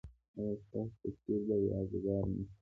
ایا ستاسو تصویر به یادګار نه شي؟